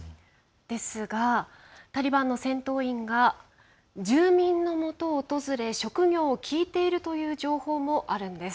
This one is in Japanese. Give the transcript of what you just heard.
ですがタリバンの戦闘員が住民のもとを訪れ職業を聞いているという情報もあるんです。